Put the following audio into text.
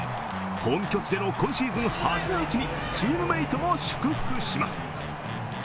本拠地での今シーズン初アーチにチームメートを祝福します。